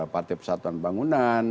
partai persatuan pembangunan